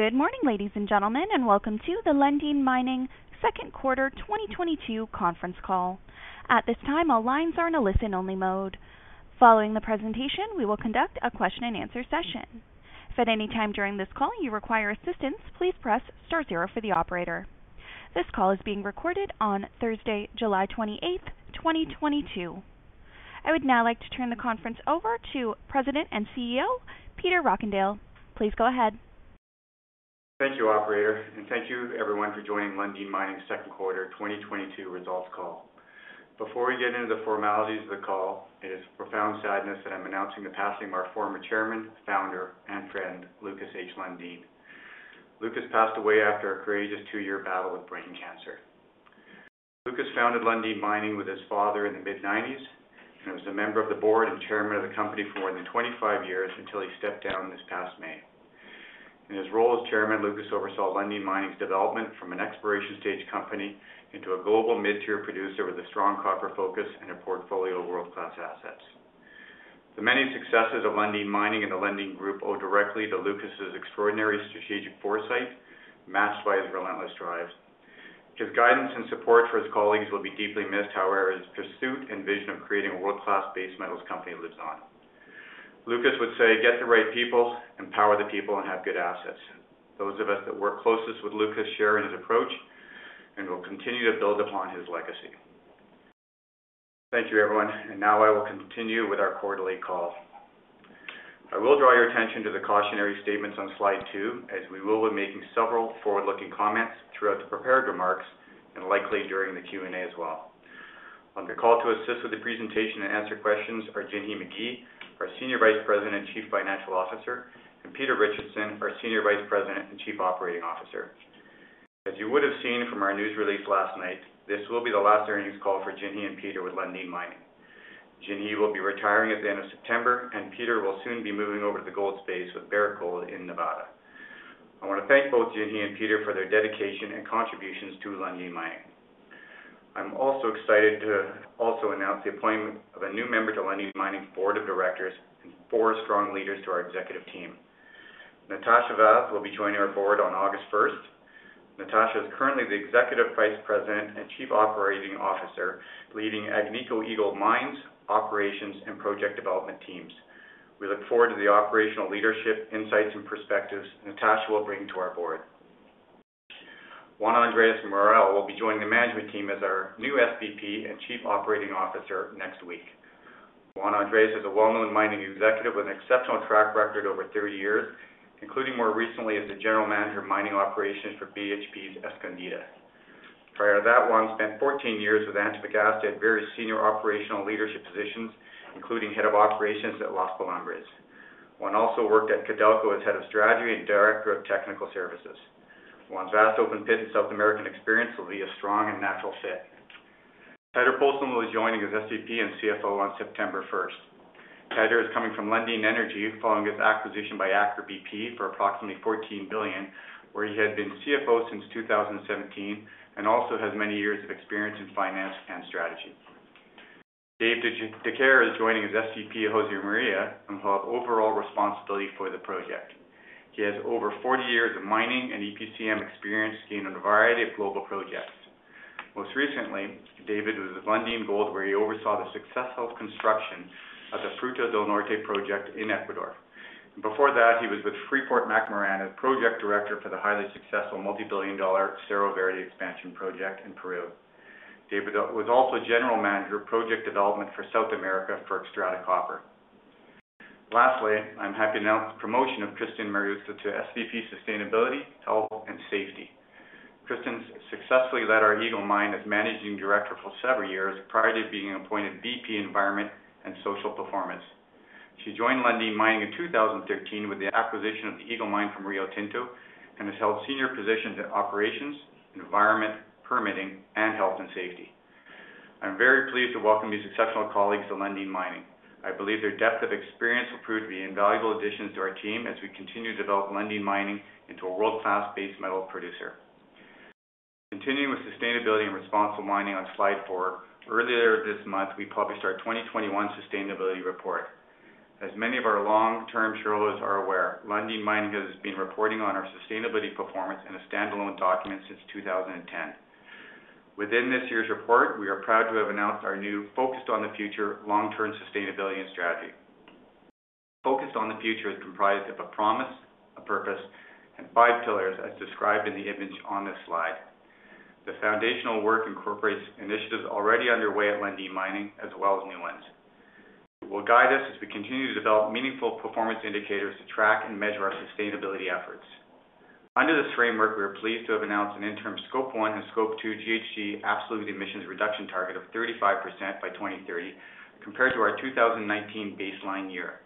Good morning, ladies and gentlemen, and welcome to the Lundin Mining second quarter 2022 conference call. At this time, all lines are in a listen-only mode. Following the presentation, we will conduct a question-and-answer session. If at any time during this call you require assistance, please press star zero for the operator. This call is being recorded on Thursday, July 28th, 2022. I would now like to turn the conference over to President and CEO Peter Rockandel. Please go ahead. Thank you, operator, and thank you everyone for joining Lundin Mining second quarter 2022 results call. Before we get into the formalities of the call, it is with profound sadness that I'm announcing the passing of our former chairman, founder, and friend, Lukas H. Lundin. Lukas passed away after a courageous two-year battle with brain cancer. Lukas founded Lundin Mining with his father in the mid-1990s and was a member of the board and chairman of the company for more than 25 years until he stepped down this past May. In his role as chairman, Lukas oversaw Lundin Mining's development from an exploration stage company into a global mid-tier producer with a strong copper focus and a portfolio of world-class assets. The many successes of Lundin Mining and the Lundin Group owe directly to Lukas's extraordinary strategic foresight, matched by his relentless drive. His guidance and support for his colleagues will be deeply missed, however, his pursuit and vision of creating a world-class base metals company lives on. Lukas would say, "Get the right people, empower the people, and have good assets." Those of us that work closest with Lukas share in his approach, and we'll continue to build upon his legacy. Thank you everyone. Now I will continue with our quarterly call. I will draw your attention to the cautionary statements on slide two, as we will be making several forward-looking comments throughout the prepared remarks, and likely during the Q&A as well. On the call to assist with the presentation and answer questions are Jinhee Magie, our Senior Vice President and Chief Financial Officer, and Peter Richardson, our Senior Vice President and Chief Operating Officer. As you would have seen from our news release last night, this will be the last earnings call for Jinhee and Peter with Lundin Mining. Jinhee will be retiring at the end of September, and Peter will soon be moving over to the gold space with Barrick Gold in Nevada. I want to thank both Jinhee and Peter for their dedication and contributions to Lundin Mining. I'm also excited to also announce the appointment of a new member to Lundin Mining's board of directors and four strong leaders to our executive team. Natasha Vaz will be joining our board on August first. Natasha is currently the Executive Vice President and Chief Operating Officer leading Agnico Eagle Mines' operations and project development teams. We look forward to the operational leadership, insights, and perspectives Natasha will bring to our board. Juan Andres Morel will be joining the management team as our new SVP and Chief Operating Officer next week. Juan Andres Morel is a well-known mining executive with an exceptional track record over 30 years, including more recently as the general manager of mining operations for BHP's Escondida. Prior to that, Juan Andres Morel spent 14 years with Antofagasta at various senior operational leadership positions, including head of operations at Los Pelambres. Juan Andres Morel also worked at Codelco as head of strategy and director of technical services. Juan Andres Morel's vast open pit and South American experience will be a strong and natural fit. Teitur Poulsen will be joining as SVP and CFO on September 1st. Teitur Poulsen is coming from Lundin Energy following its acquisition by Aker BP for approximately $14 billion, where he had been CFO since 2017, and also has many years of experience in finance and strategy. David Dicaire is joining as SVP of Josemaria and will have overall responsibility for the project. He has over 40 years of mining and EPCM experience gained on a variety of global projects. Most recently, David was with Lundin Gold, where he oversaw the successful construction of the Fruta del Norte project in Ecuador. Before that, he was with Freeport-McMoRan as Project Director for the highly successful multi-billion-dollar Cerro Verde expansion project in Peru. David was also General Manager of Project Development for South America for Xstrata Copper. Lastly, I'm happy to announce the promotion of Kristen Mariuzza to SVP Sustainability, Health, and Safety. Kristen successfully led our Eagle Mine as Managing Director for several years prior to being appointed VP Environment and Social Performance. She joined Lundin Mining in 2013 with the acquisition of the Eagle Mine from Rio Tinto and has held senior positions in operations, environment, permitting, and health and safety. I'm very pleased to welcome these exceptional colleagues to Lundin Mining. I believe their depth of experience will prove to be invaluable additions to our team as we continue to develop Lundin Mining into a world-class base metal producer. Continuing with sustainability and responsible mining on slide four, earlier this month, we published our 2021 sustainability report. As many of our long-term shareholders are aware, Lundin Mining has been reporting on our sustainability performance in a standalone document since 2010. Within this year's report, we are proud to have announced our new Focused on the Future long-term sustainability and strategy. Focused on the Future is comprised of a promise, a purpose, and five pillars, as described in the image on this slide. The foundational work incorporates initiatives already underway at Lundin Mining, as well as new ones. It will guide us as we continue to develop meaningful performance indicators to track and measure our sustainability efforts. Under this framework, we are pleased to have announced an interim Scope 1 and Scope 2 GHG absolute emissions reduction target of 35% by 2030 compared to our 2019 baseline year.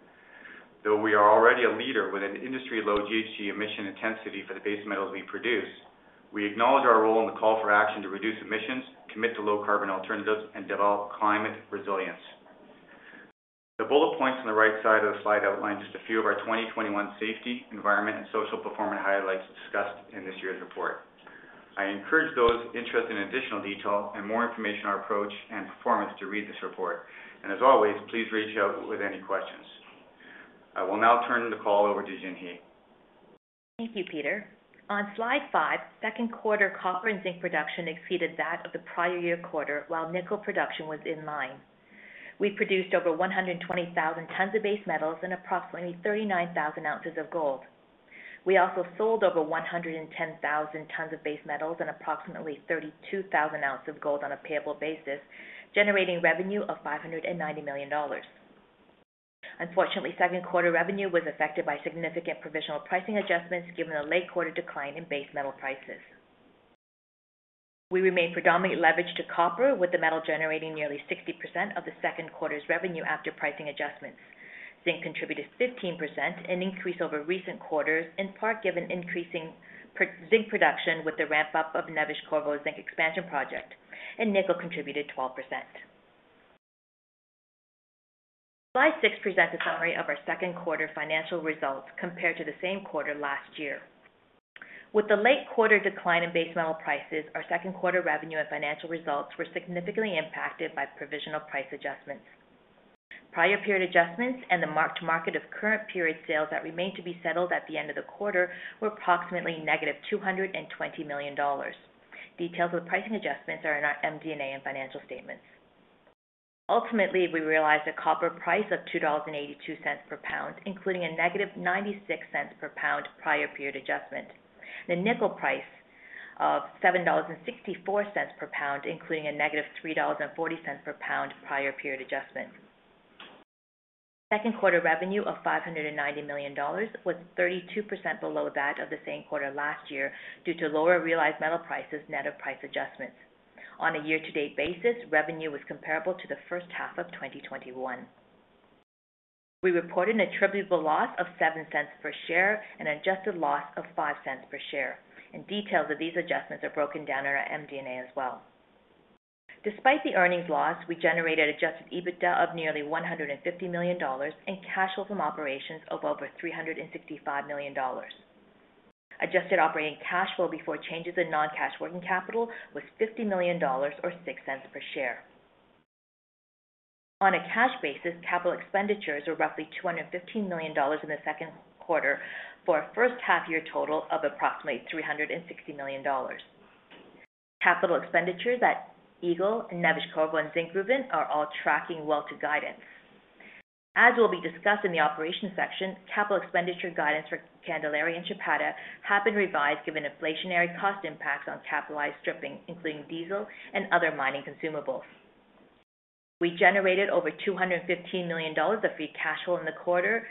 Though we are already a leader with an industry-low GHG emission intensity for the base metals we produce, we acknowledge our role in the call for action to reduce emissions, commit to low carbon alternatives, and develop climate resilience. The bullet points on the right side of the slide outline just a few of our 2021 safety, environment, and social performance highlights discussed in this year's report. I encourage those interested in additional detail and more information on our approach and performance to read this report. As always, please reach out with any questions. I will now turn the call over to Jinhee. Thank you, Peter. On slide five, second quarter copper and zinc production exceeded that of the prior year quarter, while nickel production was in line. We produced over 120,000 tons of base metals and approximately 39,000 ounces of gold. We also sold over 110,000 tons of base metals and approximately 32,000 ounces of gold on a payable basis, generating revenue of $590 million. Unfortunately, second quarter revenue was affected by significant provisional pricing adjustments, given the late quarter decline in base metal prices. We remain predominantly leveraged to copper, with the metal generating nearly 60% of the second quarter's revenue after pricing adjustments. Zinc contributed 15%, an increase over recent quarters, in part given increasing zinc production with the ramp up of Neves-Corvo Zinc Expansion Project, and nickel contributed 12%. Slide 6 presents a summary of our second quarter financial results compared to the same quarter last year. With the late quarter decline in base metal prices, our second quarter revenue and financial results were significantly impacted by provisional price adjustments. Prior period adjustments and the mark-to-market of current period sales that remained to be settled at the end of the quarter were approximately -$220 million. Details of the pricing adjustments are in our MD&A and financial statements. Ultimately, we realized a copper price of $2.82 per pound, including a -$0.96 per pound prior period adjustment. The nickel price of $7.64 per pound, including a -$3.40 per pound prior period adjustment. Second quarter revenue of $590 million was 32% below that of the same quarter last year due to lower realized metal prices net of price adjustments. On a year-to-date basis, revenue was comparable to the first half of 2021. We reported an attributable loss of $0.07 per share and adjusted loss of $0.05 per share. Details of these adjustments are broken down in our MD&A as well. Despite the earnings loss, we generated adjusted EBITDA of nearly $150 million and cash flow from operations of over $365 million. Adjusted operating cash flow before changes in non-cash working capital was $50 million or $0.06 per share. On a cash basis, capital expenditures were roughly $215 million in the second quarter for a first half year total of approximately $360 million. Capital expenditures at Eagle, Neves-Corvo and Zinkgruvan are all tracking well to guidance. As will be discussed in the operations section, capital expenditure guidance for Candelaria and Chapada have been revised given inflationary cost impacts on capitalized stripping, including diesel and other mining consumables. We generated over $215 million of free cash flow in the quarter,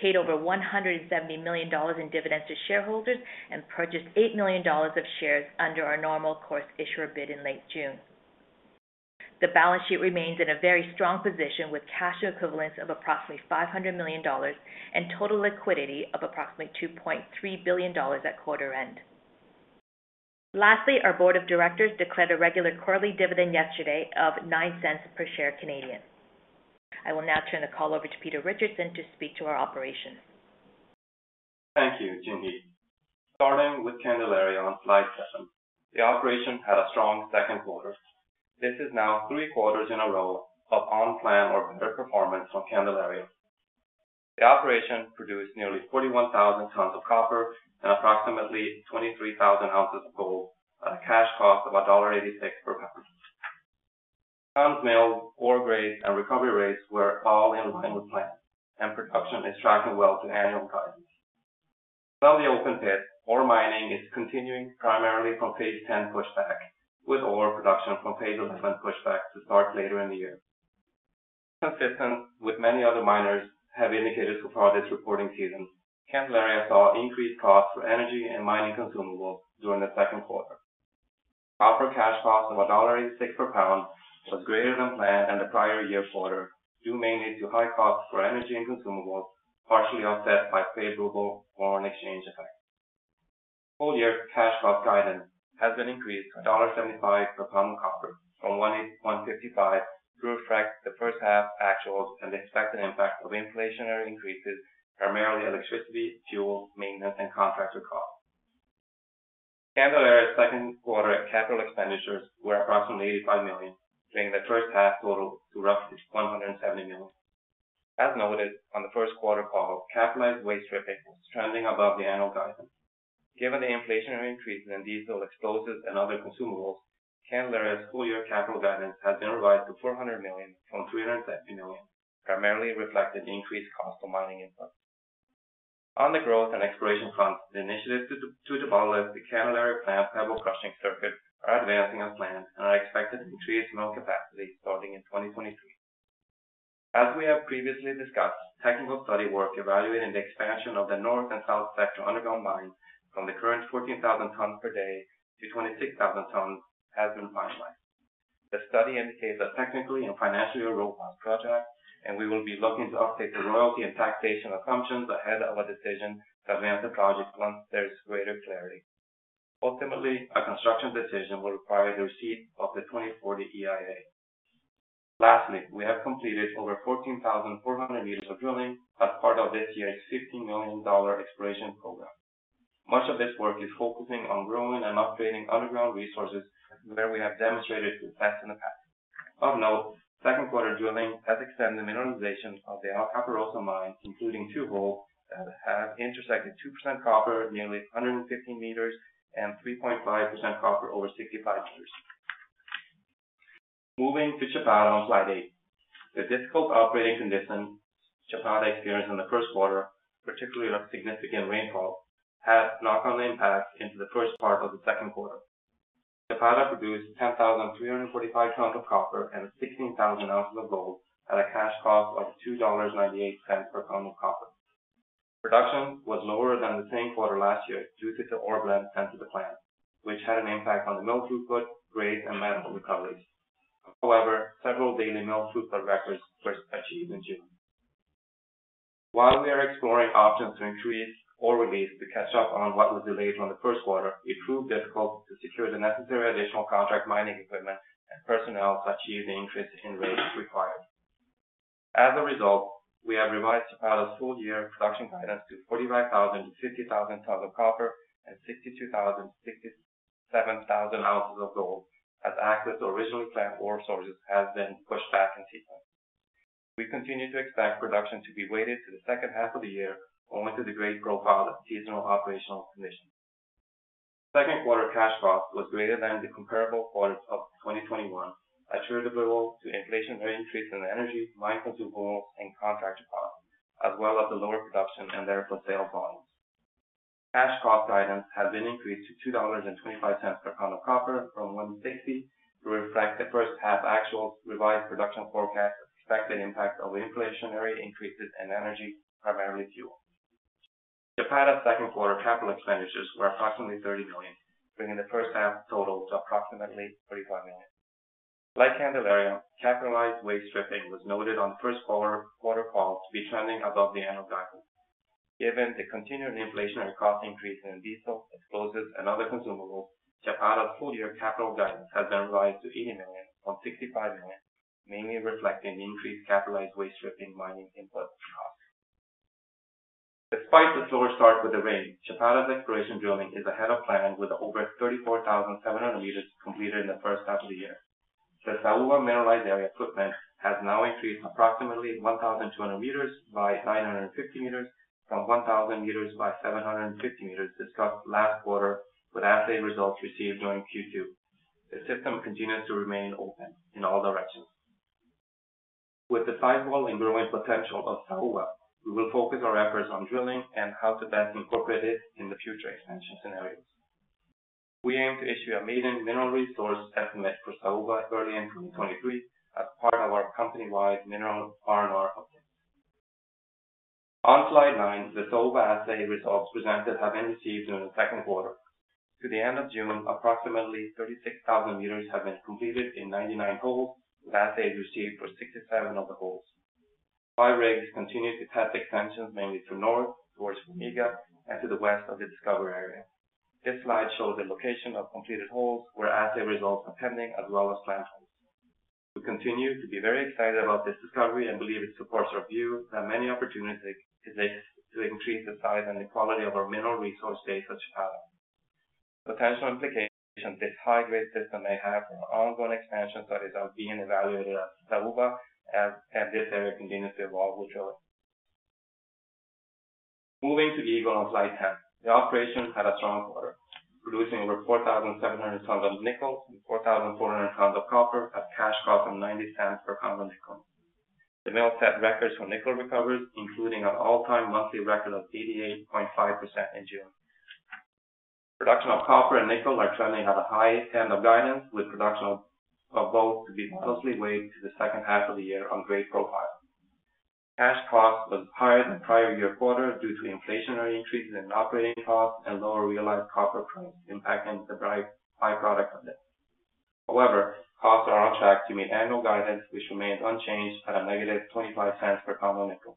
paid over $170 million in dividends to shareholders, and purchased $8 million of shares under our normal course issuer bid in late June. The balance sheet remains in a very strong position with cash equivalents of approximately $500 million and total liquidity of approximately $2.3 billion at quarter end. Lastly, our board of directors declared a regular quarterly dividend yesterday of 0.09 per share. I will now turn the call over to Peter Richardson to speak to our operations. Thank you, Jinhee. Starting with Candelaria on slide seven. The operation had a strong second quarter. This is now three quarters in a row of on plan or better performance on Candelaria. The operation produced nearly 41,000 tons of copper and approximately 23,000 ounces of gold on a cash cost of $1.86 per pound. Tons milled, ore grades and recovery rates were all in line with plan, and production is tracking well to annual targets. While the open pit ore mining is continuing primarily from phase X pushback, with ore production from phase XI pushback to start later in the year. Consistent with many other miners have indicated so far this reporting season, Candelaria saw increased costs for energy and mining consumables during the second quarter. Copper cash costs of $1.86 per pound was greater than planned and the prior year quarter, due mainly to high costs for energy and consumables, partially offset by favorable foreign exchange effects. Full year cash cost guidance has been increased to $1.75 per pound of copper from $1.55 to reflect the first half actuals and the expected impact of inflationary increases, primarily electricity, fuel, maintenance, and contractor costs. Candelaria's second quarter capital expenditures were approximately $85 million, bringing the first half total to roughly $170 million. As noted on the first quarter call, capitalized waste stripping was trending above the annual guidance. Given the inflationary increase in diesel, explosives, and other consumables, Candelaria's full year capital guidance has been revised to $400 million from $350 million, primarily reflecting the increased cost of mining input. On the growth and exploration front, the initiatives to develop the Candelaria plant pebble crushing circuit are advancing as planned and are expected to increase mill capacity starting in 2023. As we have previously discussed, technical study work evaluating the expansion of the north and south sector underground mine from the current 14,000 tons per day to 26,000 tons has been finalized. The study indicates a technically and financially robust project, and we will be looking to update the royalty and taxation assumptions ahead of a decision to advance the project once there is greater clarity. Ultimately, a construction decision will require the receipt of the 2040 EIA. Lastly, we have completed over 14,400 meters of drilling as part of this year's $50 million exploration program. Much of this work is focusing on growing and upgrading underground resources where we have demonstrated success in the past. Of note, second quarter drilling has extended mineralization of the Alcaparrosa mine, including two holes that have intersected 2% copper, nearly 150 meters, and 3.5% copper over 65 meters. Moving to Chapada on slide eight. The difficult operating conditions Chapada experienced in the first quarter, particularly the significant rainfall, had knock-on impacts into the first part of the second quarter. Chapada produced 10,345 tons of copper and 16,000 ounces of gold at a cash cost of $2.98 per ton of copper. Production was lower than the same quarter last year due to the ore blend sent to the plant, which had an impact on the mill throughput, grades, and metal recoveries. However, several daily mill throughput records were achieved in June. While we are exploring options to increase ore release to catch up on what was delayed from the first quarter, it proved difficult to secure the necessary additional contract mining equipment and personnel to achieve the increase in rates required. As a result, we have revised Chapada's full-year production guidance to 45,000-50,000 tons of copper and 62,000-67,000 ounces of gold as access to originally planned ore sources has been pushed back in season. We continue to expect production to be weighted to the second half of the year, owing to the grade profile of seasonal operational conditions. Second quarter cash cost was greater than the comparable quarter of 2021, attributable to inflation rate increase in energy, mine consumables, and contract costs, as well as the lower production and therefore sale volumes. Cash cost guidance has been increased to $2.25 per ton of copper from $1.60 to reflect the first half actual revised production forecast and expected impact of inflationary increases in energy, primarily fuel. Chapada's second quarter capital expenditures were approximately $30 million, bringing the first half total to approximately $31 million. Like Candelaria, capitalized waste stripping was noted on first quarter call to be trending above the annual guidance. Given the continuing inflationary cost increase in diesel, explosives, and other consumables, Chapada's full-year capital guidance has been revised to $80 million from $65 million, mainly reflecting increased capitalized waste stripping mining input costs. Despite the slower start with the rain, Chapada's exploration drilling is ahead of plan with over 34,700 meters completed in the first half of the year. The Saúva mineralized area footprint has now increased approximately 1,200 meters by 950 meters from 1,000 meters by 750 meters discussed last quarter with assay results received during Q2. The system continues to remain open in all directions. With the sizable and growing potential of Saúva, we will focus our efforts on drilling and how to best incorporate it in the future expansion scenarios. We aim to issue a maiden mineral resource estimate for Saúva early in 2023 as part of our company-wide mineral R&R update. On slide nine, the Saúva assay results presented have been received during the second quarter. To the end of June, approximately 36,000 meters have been completed in 99 holes, with assays received for 67 of the holes. five rigs continue to test extensions mainly to north towards Fumiga and to the west of the discovery area. This slide shows the location of completed holes where assay results are pending, as well as planned holes. We continue to be very excited about this discovery and believe it supports our view that many opportunities exist to increase the size and the quality of our mineral resource base at Chapada. Potential implications this high-grade system may have for ongoing expansion studies are being evaluated at Saúva as this area continues to evolve with drilling. Moving to the Eagle on slide 10. The operation had a strong quarter, producing over 4,700 tons of nickel and 4,400 tons of copper at cash cost of $0.90 per pound of nickel. The mill set records for nickel recovery, including an all-time monthly record of 88.5% in June. Production of copper and nickel are trending at the high end of guidance, with production of both to be mostly weighted to the second half of the year on grade profile. Cash cost was higher than prior year quarter due to inflationary increases in operating costs and lower realized copper price impacting the by-product of this. However, costs are on track to meet annual guidance, which remains unchanged at -$0.25 per pound of nickel.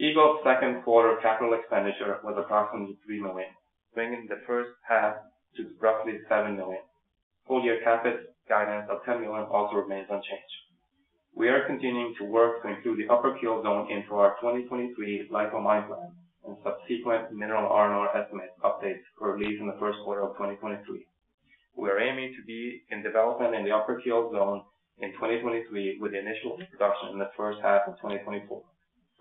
Eagle's second quarter capital expenditure was approximately $3 million, bringing the first half to roughly $7 million. Full-year CapEx guidance of $10 million also remains unchanged. We are continuing to work to include the upper Keel zone into our 2023 life of mine plan and subsequent mineral R&R estimate updates for release in the first quarter of 2023. We are aiming to be in development in the upper Keel zone in 2023, with initial production in the first half of 2024,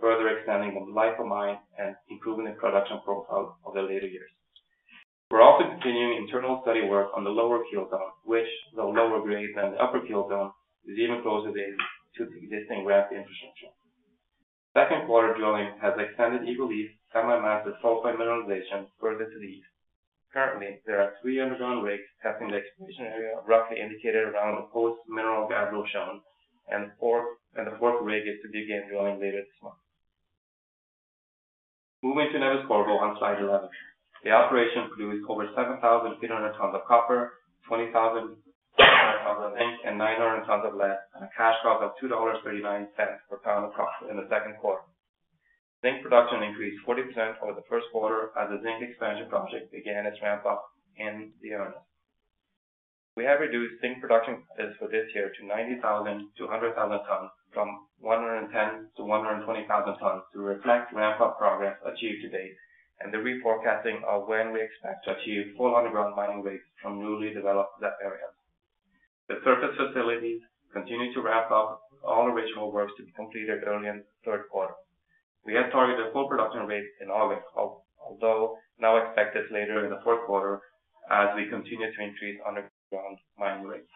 further extending the life of mine and improving the production profile of the later years. We're also continuing internal study work on the lower Keel zone, which, though lower grade than the upper Keel zone, is even closer to existing ramp and infrastructure. Second quarter drilling has extended Eagle East semi-massive sulfide mineralization further to the east. Currently, there are three underground rigs testing the exploration area roughly indicated around the post-mineral gabbro shown, and the fourth rig is to begin drilling later this month. Moving to Neves-Corvo on slide 11. The operation produced over 7,300 tons of copper, 20,300 tons of zinc, and 900 tons of lead on a cash cost of $2.39 per pound of copper in the second quarter. Zinc production increased 40% over the first quarter as the Zinc Expansion Project began its ramp up in earnest. We have reduced zinc production for this year to 90,000-100,000 tonnes from 110,000-120,000 tonnes to reflect ramp up progress achieved to date and the reforecasting of when we expect to achieve full underground mining rates from newly developed pit areas. The surface facilities continue to ramp up all original works to be completed early in third quarter. We had targeted full production rates in August, although now expected later in the fourth quarter as we continue to increase underground mining rates.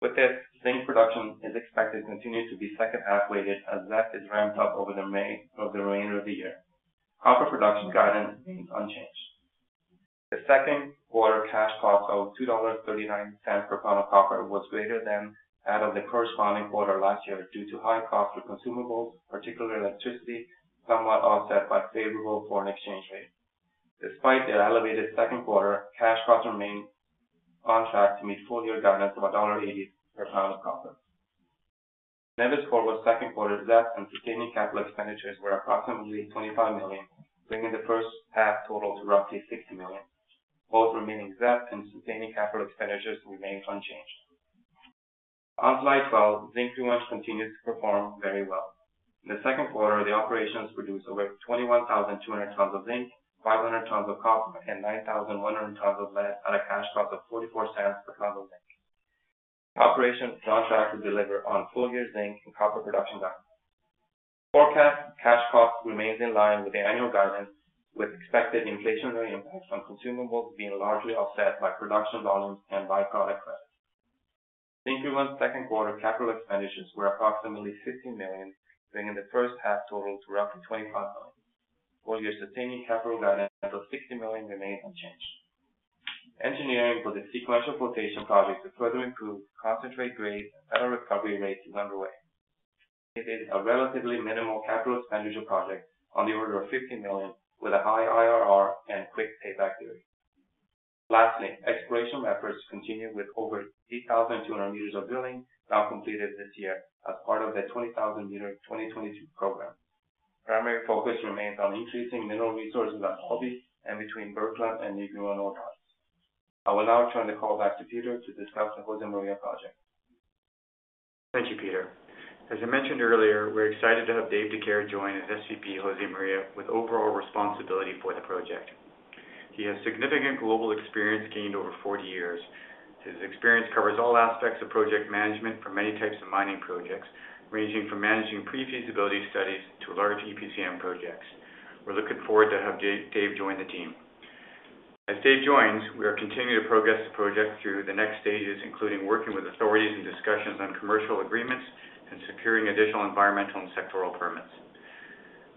With this, zinc production is expected to continue to be second half-weighted as that is ramped up over the remainder of the year. Copper production guidance remains unchanged. The second quarter cash cost of $2.39 per pound of copper was greater than that of the corresponding quarter last year due to high cost of consumables, particularly electricity, somewhat offset by favorable foreign exchange rate. Despite the elevated second quarter, cash costs remain on track to meet full year guidance of $1.80 per pound of copper. Neves-Corvo's second quarter ZEP and sustaining capital expenditures were approximately $25 million, bringing the first half total to roughly $60 million. Both remaining ZEP and sustaining capital expenditures remain unchanged. On Slide 12, zincgruvan continues to perform very well. In the second quarter, the operations produced over 21,200 tonnes of zinc, 500 tonnes of copper, and 9,100 tonnes of lead at a cash cost of $0.44 per tonne of zinc. Operations is on track to deliver on full year zinc and copper production guidance. Forecast cash cost remains in line with the annual guidance, with expected inflationary impacts on consumables being largely offset by production volumes and by-product credits. Zinc pre-launch second quarter capital expenditures were approximately $50 million, bringing the first half total to roughly $25 million, while year sustaining capital guidance of $60 million remains unchanged. Engineering for the sequential flotation project to further improve concentrate grades and better recovery rates is underway. It is a relatively minimal capital expenditure project on the order of $50 million with a high IRR and quick payback period. Exploration efforts continue with over 8,200 meters of drilling now completed this year as part of the 20,000-meter 2022 program. Primary focus remains on increasing mineral resources at Hobby and between Kirkland and New Inuan camps. I will now turn the call back to Peter to discuss the Josemaria project. Thank you, Peter. As I mentioned earlier, we're excited to have David Dicaire join as SVP Josemaria with overall responsibility for the project. He has significant global experience gained over 40 years. His experience covers all aspects of project management for many types of mining projects, ranging from managing pre-feasibility studies to large EPCM projects. We're looking forward to have David join the team. As David joins, we are continuing to progress the project through the next stages, including working with authorities and discussions on commercial agreements and securing additional environmental and sectoral permits.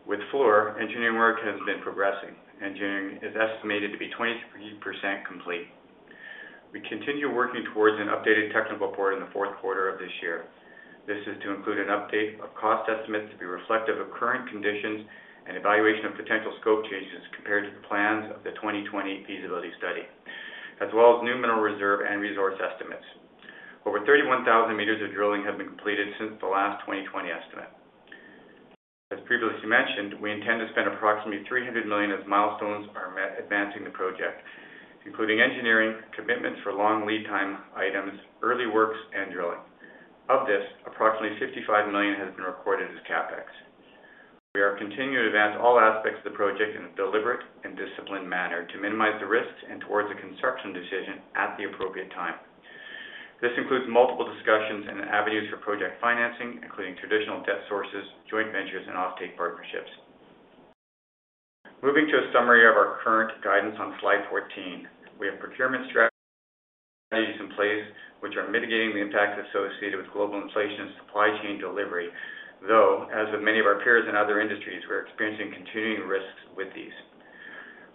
With Fluor, engineering work has been progressing. Engineering is estimated to be 20% complete. We continue working towards an updated technical report in the fourth quarter of this year. This is to include an update of cost estimates to be reflective of current conditions and evaluation of potential scope changes compared to the plans of the 2020 feasibility study, as well as new mineral reserve and resource estimates. Over 31,000 meters of drilling have been completed since the last 2020 estimate. As previously mentioned, we intend to spend approximately $300 million as milestones are met, advancing the project, including engineering, commitments for long lead time items, early works, and drilling. Of this, approximately $55 million has been recorded as CapEx. We are continuing to advance all aspects of the project in a deliberate and disciplined manner to minimize the risks and towards a construction decision at the appropriate time. This includes multiple discussions and avenues for project financing, including traditional debt sources, joint ventures, and offtake partnerships. Moving to a summary of our current guidance on slide 14. We have procurement strategies in place which are mitigating the impacts associated with global inflation and supply chain delivery, though, as with many of our peers in other industries, we are experiencing continuing risks with these.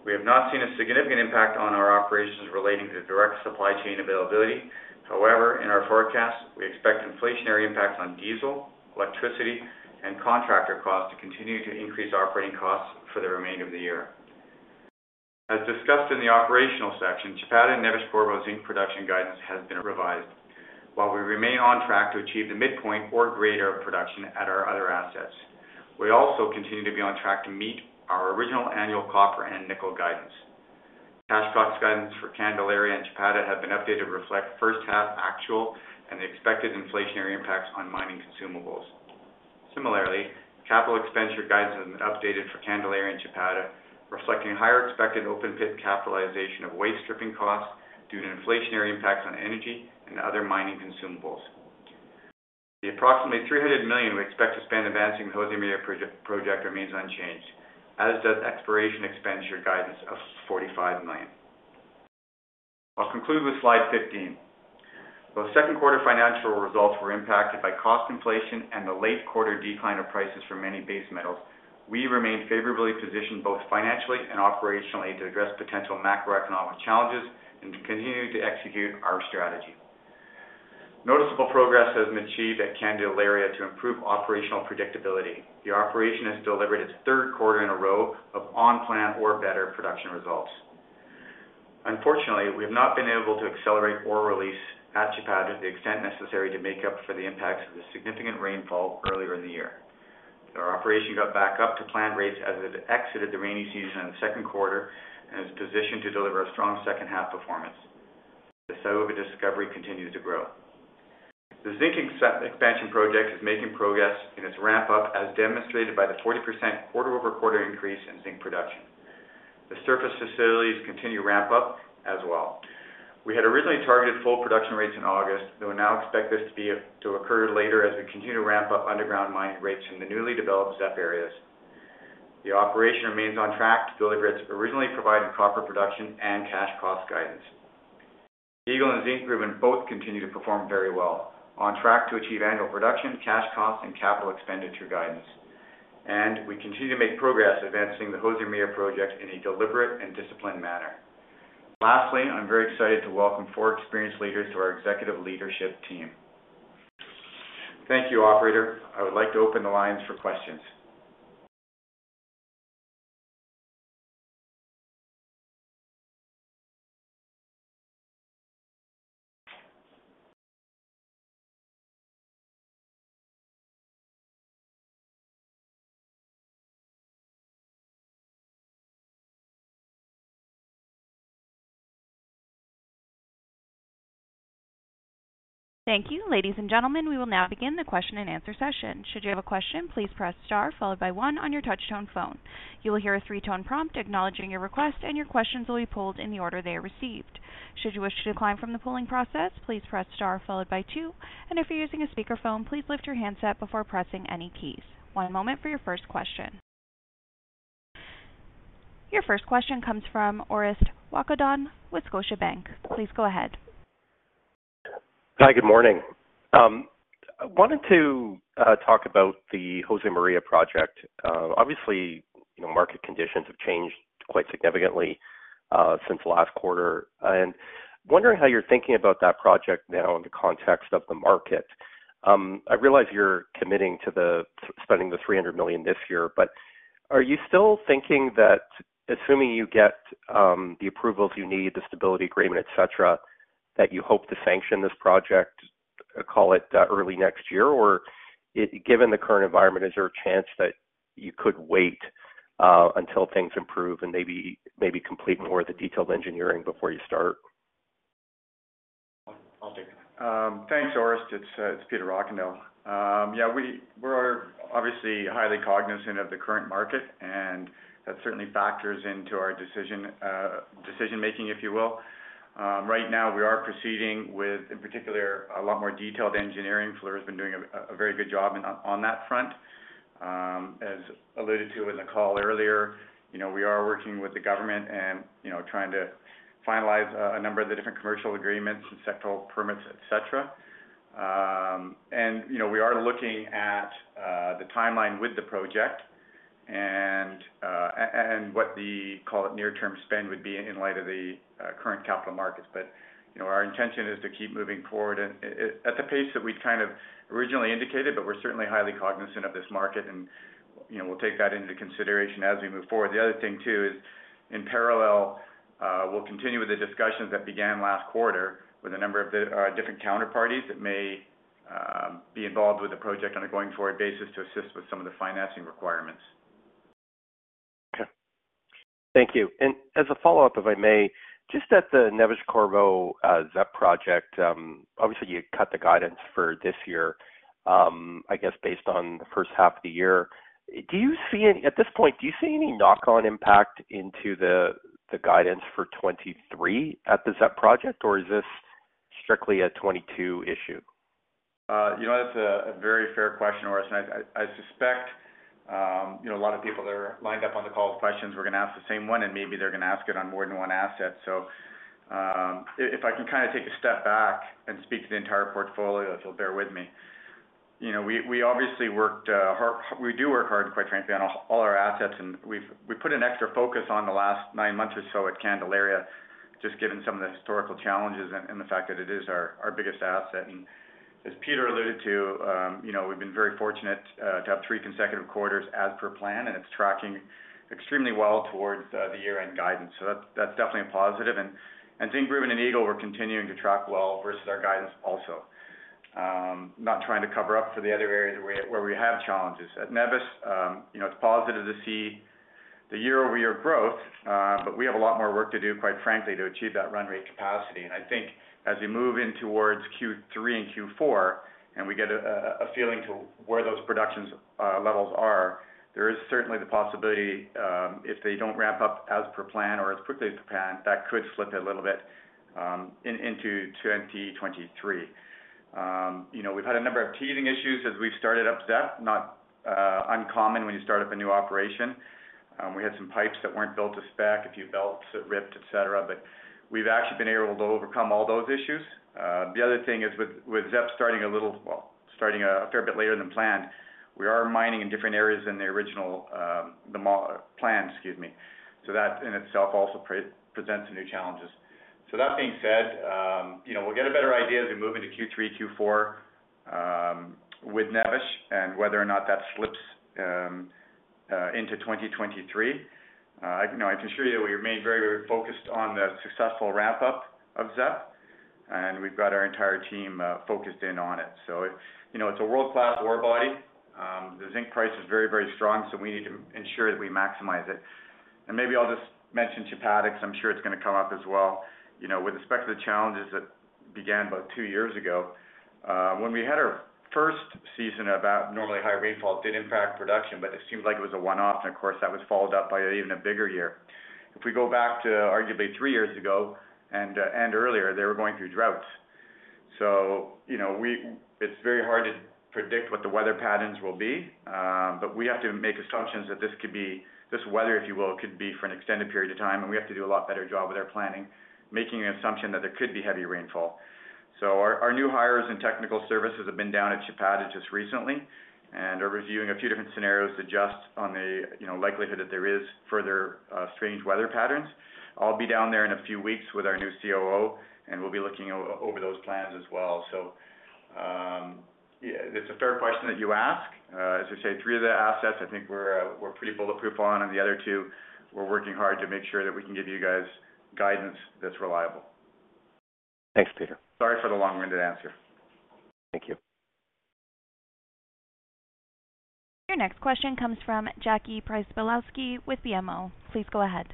We have not seen a significant impact on our operations relating to direct supply chain availability. However, in our forecast, we expect inflationary impacts on diesel, electricity, and contractor costs to continue to increase operating costs for the remainder of the year. As discussed in the operational section, Chapada and Neves-Corvo zinc production guidance has been revised. While we remain on track to achieve the midpoint or greater of production at our other assets, we also continue to be on track to meet our original annual copper and nickel guidance. Cash cost guidance for Candelaria and Chapada have been updated to reflect first half actual and the expected inflationary impacts on mining consumables. Similarly, capital expenditure guidance has been updated for Candelaria and Chapada, reflecting higher expected open pit capitalization of waste stripping costs due to inflationary impacts on energy and other mining consumables. The approximately $300 million we expect to spend advancing the Josemaria project remains unchanged, as does exploration expenditure guidance of $45 million. I'll conclude with slide 15. While second quarter financial results were impacted by cost inflation and the late quarter decline of prices for many base metals, we remain favorably positioned both financially and operationally to address potential macroeconomic challenges and to continue to execute our strategy. Noticeable progress has been achieved at Candelaria to improve operational predictability. The operation has delivered its third quarter in a row of on plan or better production results. Unfortunately, we have not been able to accelerate ore release at Chapada to the extent necessary to make up for the impacts of the significant rainfall earlier in the year. Our operation got back up to planned rates as it exited the rainy season in the second quarter and is positioned to deliver a strong second half performance. The Saúva discovery continued to grow. The Zinc Expansion Project is making progress in its ramp up, as demonstrated by the 40% quarter-over-quarter increase in zinc production. The surface facilities continue ramp up as well. We had originally targeted full production rates in August, though we now expect this to occur later as we continue to ramp up underground mining rates in the newly developed ZEP areas. The operation remains on track to deliver its originally provided copper production and cash cost guidance. Eagle and Zinkgruvan both continue to perform very well, on track to achieve annual production, cash costs and capital expenditure guidance. We continue to make progress advancing the Josemaria project in a deliberate and disciplined manner. Lastly, I'm very excited to welcome four experienced leaders to our executive leadership team. Thank you, operator. I would like to open the lines for questions. Thank you. Ladies and gentlemen, we will now begin the question-and-answer session. Should you have a question, please press star followed by one on your touch-tone phone. You will hear a three-tone prompt acknowledging your request, and your questions will be pooled in the order they are received. Should you wish to decline from the pooling process, please press star followed by two. If you're using a speakerphone, please lift your handset before pressing any keys. One moment for your first question. Your first question comes from Orest Wowkodaw with Scotiabank. Please go ahead. Hi. Good morning. I wanted to talk about the Josemaria project. Obviously, you know, market conditions have changed quite significantly since last quarter. Wondering how you're thinking about that project now in the context of the market. I realize you're committing to spending the $300 million this year, but are you still thinking that assuming you get the approvals you need, the stability agreement, et cetera, that you hope to sanction this project, call it, early next year? Or given the current environment, is there a chance that you could wait until things improve and maybe complete more of the detailed engineering before you start? I'll take that. Thanks, Orest. It's Peter Rockandel. Yeah, we're obviously highly cognizant of the current market, and that certainly factors into our decision-making, if you will. Right now we are proceeding with, in particular, a lot more detailed engineering. Fluor has been doing a very good job on that front. As alluded to in the call earlier, you know, we are working with the government and, you know, trying to finalize a number of the different commercial agreements and sectoral permits, et cetera. You know, we are looking at the timeline with the project and what the, call it, near-term spend would be in light of the current capital markets. You know, our intention is to keep moving forward at the pace that we've kind of originally indicated, but we're certainly highly cognizant of this market and, you know, we'll take that into consideration as we move forward. The other thing too is in parallel, we'll continue with the discussions that began last quarter with a number of the different counterparties that may be involved with the project on a going forward basis to assist with some of the financing requirements. Okay. Thank you. As a follow-up, if I may, just at the Neves-Corvo ZEP project, obviously you cut the guidance for this year, I guess based on the first half of the year. At this point, do you see any knock-on impact into the guidance for 2023 at the ZEP project, or is this strictly a 2022 issue? That's a very fair question, Orest, and I suspect you know a lot of people that are lined up on the call with questions were gonna ask the same one, and maybe they're gonna ask it on more than one asset. If I can kind of take a step back and speak to the entire portfolio, if you'll bear with me. We obviously worked hard. We do work hard, quite frankly, on all our assets. We've put an extra focus on the last nine months or so at Candelaria, just given some of the historical challenges and the fact that it is our biggest asset. As Peter alluded to, you know, we've been very fortunate to have three consecutive quarters as per plan, and it's tracking extremely well towards the year-end guidance. That's definitely a positive. Zinkgruvan and Eagle were continuing to track well versus our guidance also. Not trying to cover up for the other areas where we have challenges. At Neves, you know, it's positive to see the year-over-year growth, but we have a lot more work to do, quite frankly, to achieve that run rate capacity. I think as we move in towards Q3 and Q4 and we get a feeling to where those production levels are, there is certainly the possibility if they don't ramp up as per plan or as quickly as the plan, that could slip a little bit into 2023. You know, we've had a number of teething issues as we've started up Zep, not uncommon when you start up a new operation. We had some pipes that weren't built to spec, a few belts that ripped, et cetera, but we've actually been able to overcome all those issues. The other thing is with Zep starting a fair bit later than planned, we are mining in different areas than the original plan, excuse me. That in itself also presents new challenges. That being said, you know, we'll get a better idea as we move into Q3, Q4, with Neves and whether or not that slips into 2023. I can assure you that we remain very focused on the successful wrap up of ZEP, and we've got our entire team focused in on it. You know, it's a world-class ore body. The zinc price is very, very strong, so we need to ensure that we maximize it. Maybe I'll just mention Chapada, because I'm sure it's gonna come up as well. You know, with respect to the challenges that began about two years ago, when we had our first season of a normally high rainfall, it did impact production, but it seemed like it was a one-off. Of course, that was followed up by even a bigger year. If we go back to arguably three years ago and earlier, they were going through droughts. You know, it's very hard to predict what the weather patterns will be, but we have to make assumptions that this could be, this weather, if you will, could be for an extended period of time, and we have to do a lot better job with our planning, making an assumption that there could be heavy rainfall. Our new hires and technical services have been down at Chapada just recently and are reviewing a few different scenarios to adjust on the, you know, likelihood that there is further strange weather patterns. I'll be down there in a few weeks with our new COO, and we'll be looking over those plans as well. Yeah, it's a fair question that you ask. As I say, three of the assets I think we're pretty bulletproof on, and the other two, we're working hard to make sure that we can give you guys guidance that's reliable. Thanks, Peter. Sorry for the long-winded answer. Thank you. Your next question comes from Jackie Przybylowski with BMO. Please go ahead.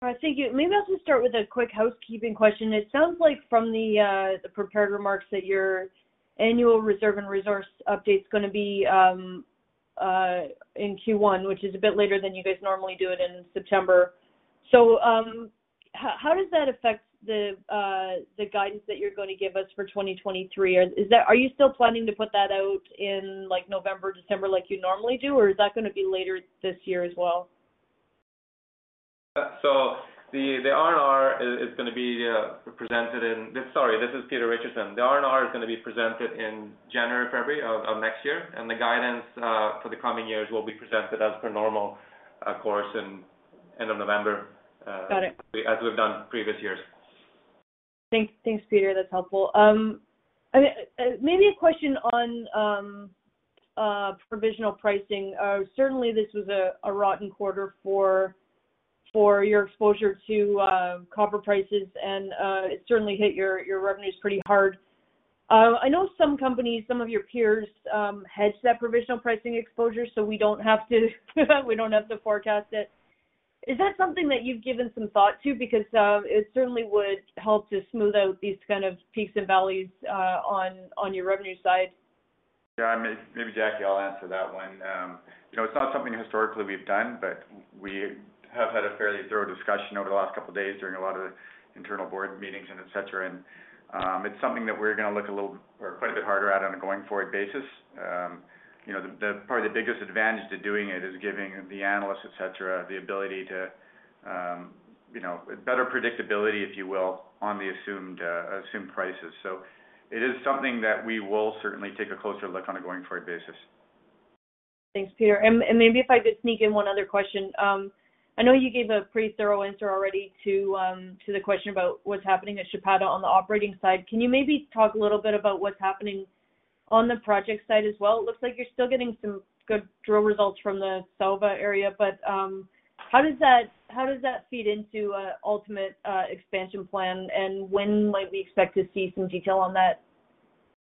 Thank you. Maybe I'll just start with a quick housekeeping question. It sounds like from the prepared remarks that your annual reserves and resources update's gonna be in Q1, which is a bit later than you guys normally do it in September. How does that affect the guidance that you're going to give us for 2023? Or are you still planning to put that out in, like, November, December, like you normally do, or is that gonna be later this year as well? Sorry, this is Peter Richardson. The R&R is gonna be presented in January, February of next year, and the guidance for the coming years will be presented as per normal, of course, in the end of November. Got it. As we've done previous years. Thanks, Peter. That's helpful. I mean, maybe a question on provisional pricing. Certainly this was a rotten quarter for your exposure to copper prices, and it certainly hit your revenues pretty hard. I know some companies, some of your peers, hedge that provisional pricing exposure, so we don't have to forecast it. Is that something that you've given some thought to? Because it certainly would help to smooth out these kind of peaks and valleys on your revenue side. Yeah, maybe Jackie, I'll answer that one. You know, it's not something historically we've done, but we have had a fairly thorough discussion over the last couple days during a lot of the internal board meetings and et cetera. It's something that we're gonna look a little or quite a bit harder at on a going-forward basis. You know, the probably the biggest advantage to doing it is giving the analysts, et cetera, the ability to, you know, better predictability, if you will, on the assumed assumed prices. It is something that we will certainly take a closer look on a going-forward basis. Thanks, Peter. Maybe if I could sneak in one other question. I know you gave a pretty thorough answer already to the question about what's happening at Chapada on the operating side. Can you maybe talk a little bit about what's happening on the project side as well? It looks like you're still getting some good drill results from the Saúva area, but how does that feed into a ultimate expansion plan, and when might we expect to see some detail on that?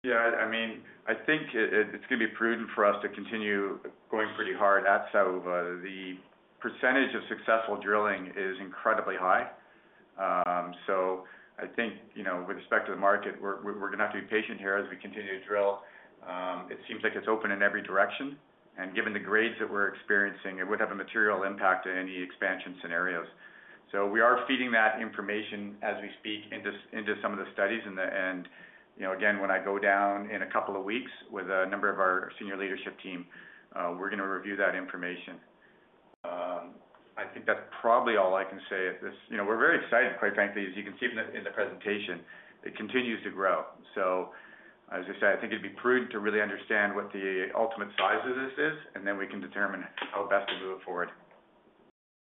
Yeah, I mean, I think it's gonna be prudent for us to continue going pretty hard at Saúva. The percentage of successful drilling is incredibly high. I think, you know, with respect to the market, we're gonna have to be patient here as we continue to drill. It seems like it's open in every direction, and given the grades that we're experiencing, it would have a material impact in any expansion scenarios. We are feeding that information as we speak into some of the studies. In the end, you know, again, when I go down in a couple of weeks with a number of our senior leadership team, we're gonna review that information. I think that's probably all I can say at this. You know, we're very excited, quite frankly, as you can see in the presentation. It continues to grow. As I said, I think it'd be prudent to really understand what the ultimate size of this is, and then we can determine how best to move forward.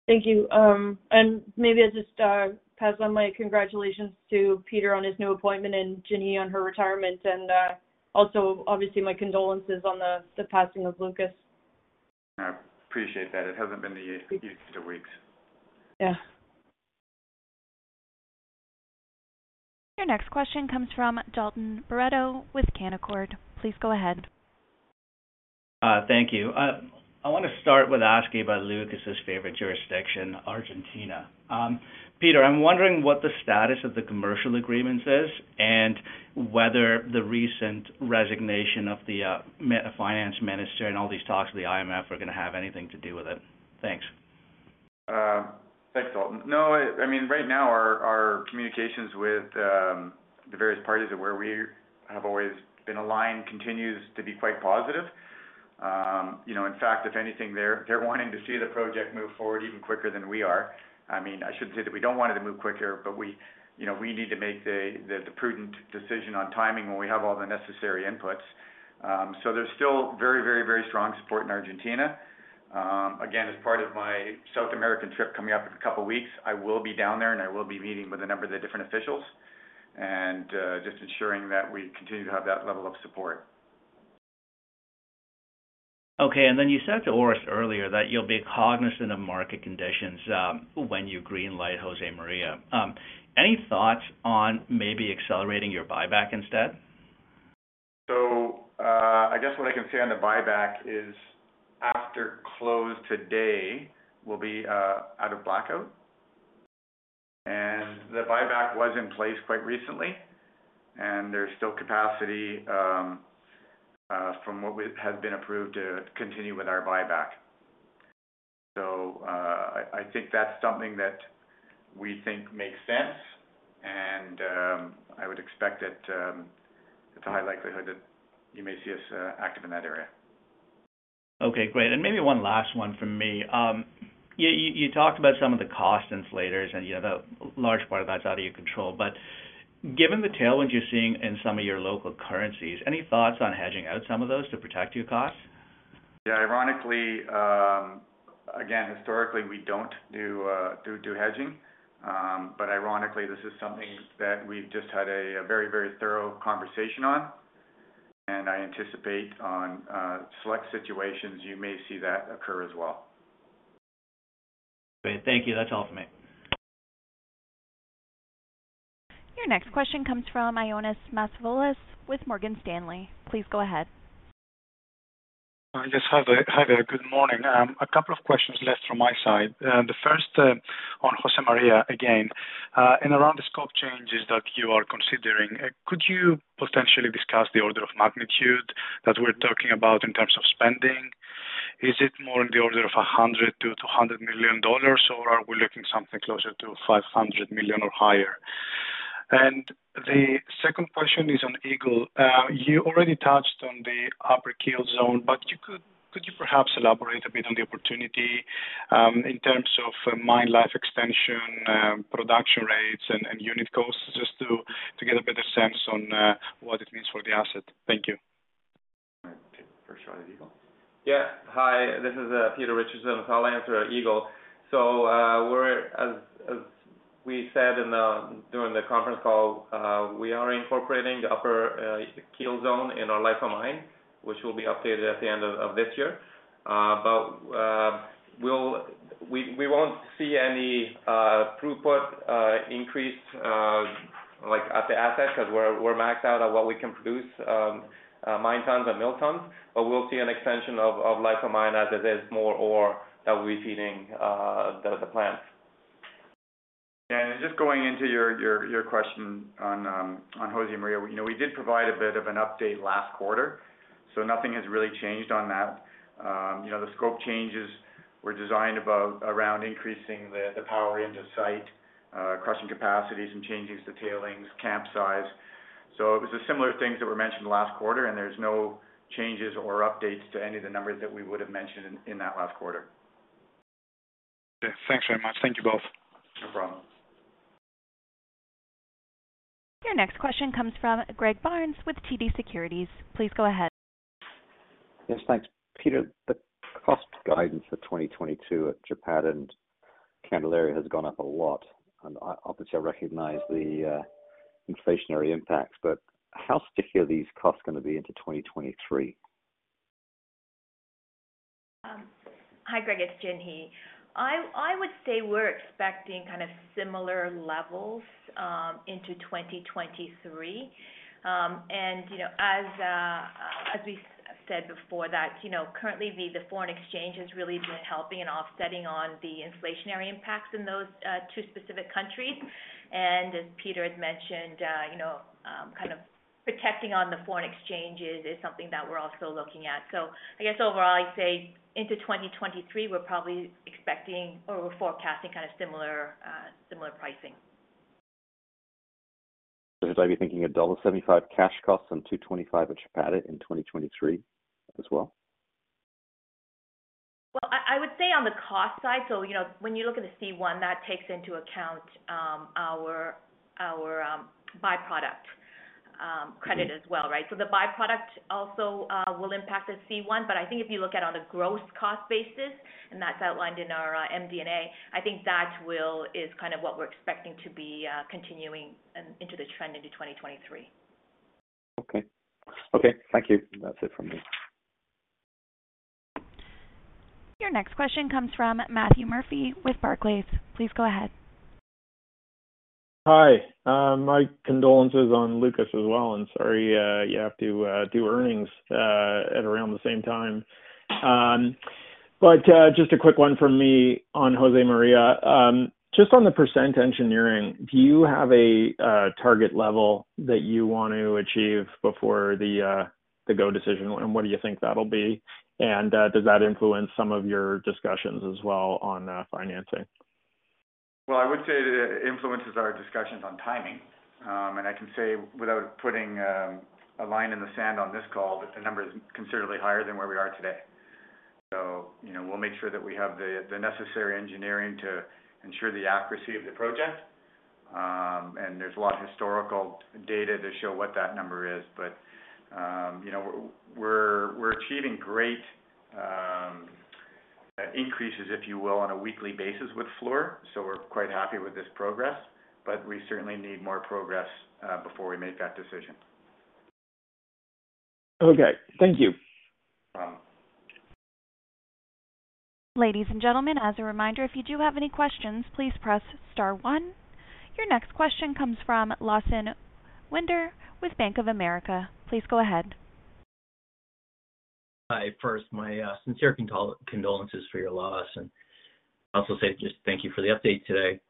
Thank you. Maybe I'll just pass on my congratulations to Peter on his new appointment and Jenny on her retirement and also obviously my condolences on the passing of Lukas. I appreciate that. It hasn't been the easiest of weeks. Yeah. Your next question comes from Dalton Baretto with Canaccord. Please go ahead. Thank you. I wanna start with asking about Lukas's favorite jurisdiction, Argentina. Peter, I'm wondering what the status of the commercial agreements is and whether the recent resignation of the finance minister and all these talks with the IMF are gonna have anything to do with it. Thanks. Thanks, Dalton. No, I mean, right now our communications with the various parties where we have always been aligned continues to be quite positive. You know, in fact, if anything, they're wanting to see the project move forward even quicker than we are. I mean, I shouldn't say that we don't want it to move quicker, but you know, we need to make the prudent decision on timing when we have all the necessary inputs. There's still very strong support in Argentina. Again, as part of my South American trip coming up in a couple of weeks, I will be down there, and I will be meeting with a number of the different officials. Just ensuring that we continue to have that level of support. Okay. You said to Orest earlier that you'll be cognizant of market conditions when you green light Josemaria. Any thoughts on maybe accelerating your buyback instead? I guess what I can say on the buyback is after close today, we'll be out of blackout. The buyback was in place quite recently, and there's still capacity from what we have been approved to continue with our buyback. I think that's something that we think makes sense, and I would expect that it's a high likelihood that you may see us active in that area. Okay, great. Maybe one last one from me. You talked about some of the cost inflators, and you know, the large part of that's out of your control. Given the tailwinds you're seeing in some of your local currencies, any thoughts on hedging out some of those to protect your costs? Yeah, ironically, again, historically, we don't do hedging. Ironically, this is something that we've just had a very, very thorough conversation on, and I anticipate on select situations you may see that occur as well. Great. Thank you. That's all for me. Your next question comes from Ioannis Masvoulas with Morgan Stanley. Please go ahead. Hi, yes. Hi there, good morning. A couple of questions left from my side. The first, on Josemaria again. And around the scope changes that you are considering, could you potentially discuss the order of magnitude that we're talking about in terms of spending? Is it more in the order of $100-$200 million, or are we looking something closer to $500 million or higher? And the second question is on Eagle. You already touched on the upper Keel zone, but could you perhaps elaborate a bit on the opportunity in terms of mine life extension, production rates and unit costs, just to get a better sense on what it means for the asset? Thank you. All right. Peter, first shot at Eagle. Yeah. Hi, this is Peter Richardson. I'll answer Eagle. We're as we said during the conference call, we are incorporating the upper keel zone in our life of mine, which will be updated at the end of this year. We won't see any throughput increase like at the asset 'cause we're maxed out on what we can produce, mine tons and mill tons. We'll see an extension of life of mine as there's more ore that will be feeding the plant. Just going into your question on Josemaria. You know, we did provide a bit of an update last quarter, so nothing has really changed on that. You know, the scope changes were designed around increasing the power on site, crushing capacities and changing some tailings, camp size. It was the similar things that were mentioned last quarter, and there's no changes or updates to any of the numbers that we would have mentioned in that last quarter. Okay. Thanks very much. Thank you both. No problem. Your next question comes from Greg Barnes with TD Securities. Please go ahead. Yes, thanks. Peter, the cost guidance for 2022 at Chapada and Candelaria has gone up a lot. Obviously, I recognize the inflationary impacts, but how sticky are these costs gonna be into 2023? Hi, Greg, it's Jinhee. I would say we're expecting kind of similar levels into 2023. You know, as we said before that, you know, currently the foreign exchange has really been helping and offsetting on the inflationary impacts in those two specific countries. As Peter had mentioned, you know, kind of protecting on the foreign exchanges is something that we're also looking at. I guess overall, I'd say into 2023, we're probably expecting or we're forecasting kind of similar pricing. Should I be thinking $1.75 cash costs on $2.25 at Chapada in 2023 as well? I would say on the cost side, you know, when you look at the C1, that takes into account our by-product credit as well, right? The by-product also will impact the C1, but I think if you look at on a gross cost basis, and that's outlined in our MD&A, I think that is kind of what we're expecting to be continuing into the trend into 2023. Okay. Okay, thank you. That's it from me. Your next question comes from Matthew Murphy with Barclays. Please go ahead. Hi. My condolences on Lukas as well, and sorry, you have to do earnings at around the same time. Just a quick one from me on Josemaria. Just on the front-end engineering, do you have a target level that you want to achieve before the go decision? What do you think that'll be? Does that influence some of your discussions as well on financing? Well, I would say it influences our discussions on timing. I can say, without putting a line in the sand on this call, that the number is considerably higher than where we are today. You know, we'll make sure that we have the necessary engineering to ensure the accuracy of the project. There's a lot of historical data to show what that number is. You know, we're achieving great increases, if you will, on a weekly basis with Fluor. We're quite happy with this progress, but we certainly need more progress before we make that decision. Okay. Thank you. No problem. Ladies and gentlemen, as a reminder, if you do have any questions, please press star one. Your next question comes from Lawson Winder with Bank of America. Please go ahead. Hi. First, my sincere condolences for your loss. Also say just thank you for the update today.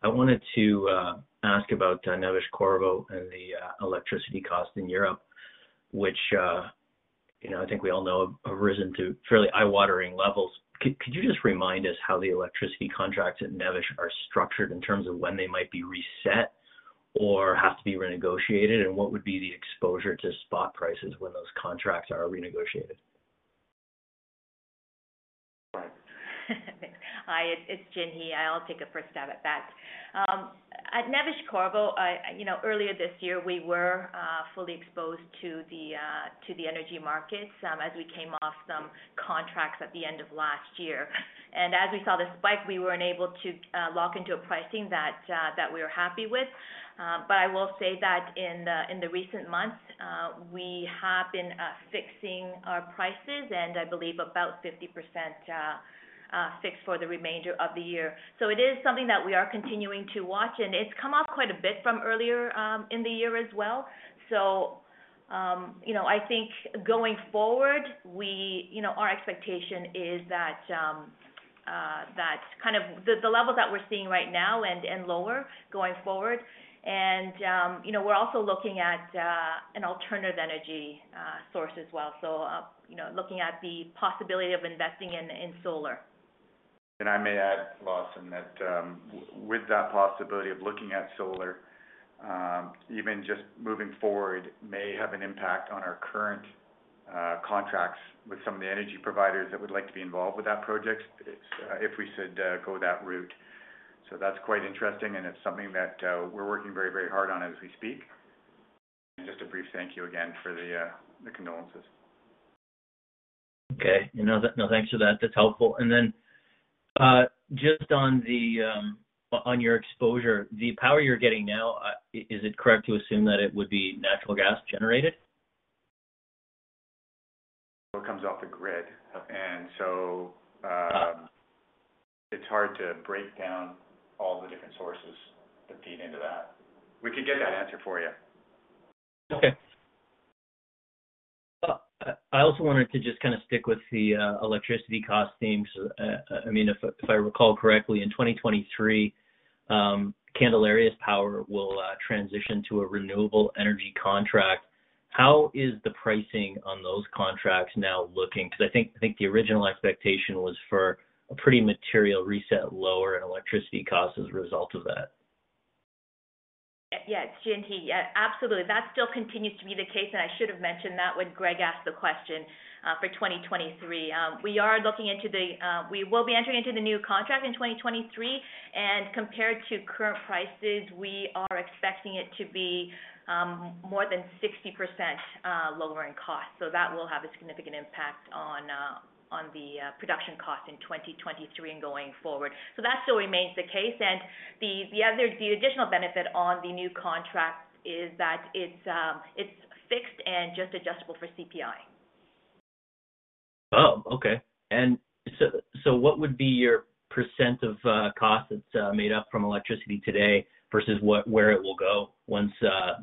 I wanted to ask about Neves-Corvo and the electricity cost in Europe, which, you know, I think we all know have risen to fairly eye-watering levels. Could you just remind us how the electricity contracts at Neves are structured in terms of when they might be reset or have to be renegotiated? What would be the exposure to spot prices when those contracts are renegotiated? Right. Hi, it's Jinhee. I'll take a first stab at that. At Neves-Corvo, you know, earlier this year, we were fully exposed to the energy markets, as we came off some contracts at the end of last year. As we saw the spike, we were unable to lock into a pricing that we were happy with. I will say that in the recent months, we have been fixing our prices and I believe about 50%, fixed for the remainder of the year. It is something that we are continuing to watch, and it's come off quite a bit from earlier in the year as well. You know, I think going forward, you know, our expectation is that kind of the level that we're seeing right now and lower going forward. You know, we're also looking at an alternative energy source as well. You know, looking at the possibility of investing in solar. I may add, Lawson, that with that possibility of looking at solar, even just moving forward, may have an impact on our current contracts with some of the energy providers that would like to be involved with that project if we should go that route. That's quite interesting, and it's something that we're working very, very hard on as we speak. Just a brief thank you again for the condolences. Okay. No thanks for that. That's helpful. Just on your exposure, the power you're getting now, is it correct to assume that it would be natural gas generated? It comes off the grid. Uh. It's hard to break down all the different sources that feed into that. We could get that answer for you. I also wanted to just kinda stick with the electricity cost theme. I mean, if I recall correctly, in 2023, Candelaria's power will transition to a renewable energy contract. How is the pricing on those contracts now looking? 'Cause I think the original expectation was for a pretty material reset lower in electricity cost as a result of that. Yeah, yeah. It's Jinhee. Yeah, absolutely. That still continues to be the case, and I should have mentioned that when Greg asked the question for 2023. We will be entering into the new contract in 2023. Compared to current prices, we are expecting it to be more than 60% lower in cost. That will have a significant impact on the production cost in 2023 and going forward. That still remains the case. The additional benefit on the new contract is that it's fixed and just adjustable for CPI. Okay. What would be your percent of cost that's made up from electricity today versus where it will go once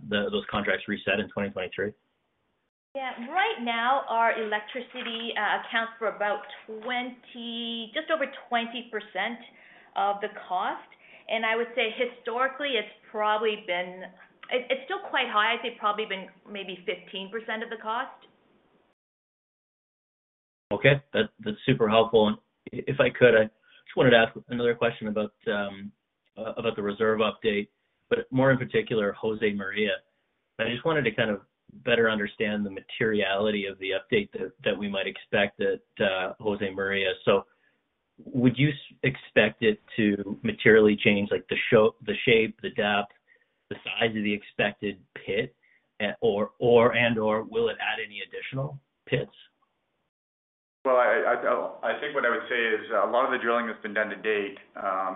those contracts reset in 2023? Yeah. Right now, our electricity accounts for about 20%, just over 20% of the cost. I would say historically it's probably been. It's still quite high. I'd say probably been maybe 15% of the cost. Okay. That's super helpful. If I could, I just wanted to ask another question about the reserve update, but more in particular, Josemaria. I just wanted to kind of better understand the materiality of the update that we might expect at Josemaria. Would you expect it to materially change, like the shape, the depth, the size of the expected pit? Or will it add any additional pits? Well, I think what I would say is a lot of the drilling that's been done to date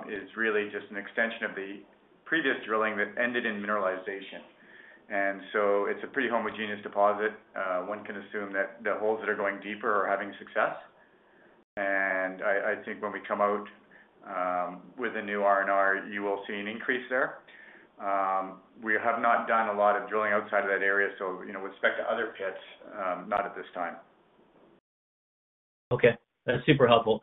is really just an extension of the previous drilling that ended in mineralization. It's a pretty homogeneous deposit. One can assume that the holes that are going deeper are having success. I think when we come out with a new R&R, you will see an increase there. We have not done a lot of drilling outside of that area. You know, with respect to other pits, not at this time. Okay. That's super helpful.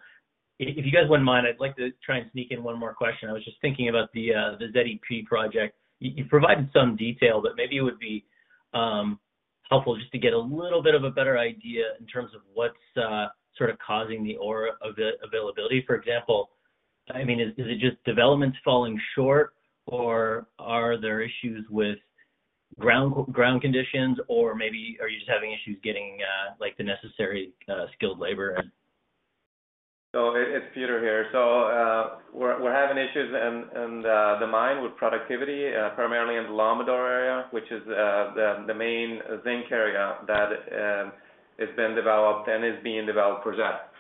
If you guys wouldn't mind, I'd like to try and sneak in one more question. I was just thinking about the ZEP project. You provided some detail, but maybe it would be helpful just to get a little bit of a better idea in terms of what's sort of causing the ore availability. For example, I mean, is it just developments falling short, or are there issues with ground conditions, or maybe are you just having issues getting like the necessary skilled labor and- It's Peter here. We're having issues in the mine with productivity primarily in the Lombador area, which is the main zinc area that has been developed and is being developed for that.